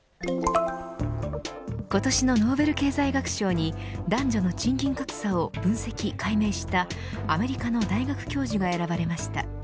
今年のノーベル経済学賞に男女の賃金格差を分析、解明したアメリカの大学教授が選ばれました。